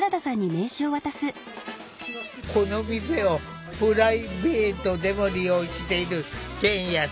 この店をプライベートでも利用している健也さん。